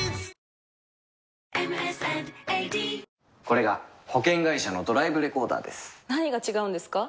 これが保険会社のドライブレコーダーです何が違うんですか？